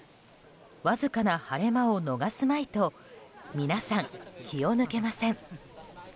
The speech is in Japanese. わずかな晴れ間を逃すまいと皆さん、気を抜けません。